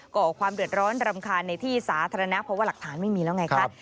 ก่อความเดือดร้อนรำคาญในที่สาธารณะเพราะว่าหลักฐานไม่มีแล้วไงคะ